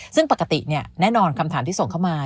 ซึ่งปกติแน่นอนคำถามที่ส่งเข้ามา